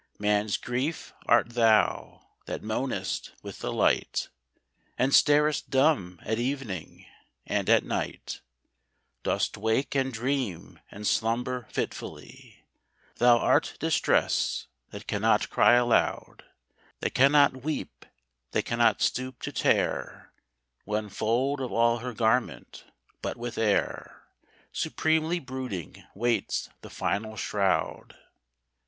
Man's Grief art thou, that moanest with the light, And starest dumb at evening — and at night Dost wake and dream and slumber fitfully ! Thou art Distress — ^that cannot cry alou<^ That cannot weep, that cannot stoop to tear One fold of all her garment, but with air Supremely brooding waits the final shroud